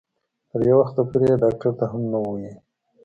تر یو وخته پورې یې ډاکټر ته هم نه وو ویلي.